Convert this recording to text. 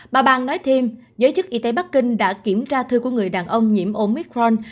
bà bang nói thêm giới chức y tế bắc kinh đã kiểm tra thư của người đàn ông nhiễm omitron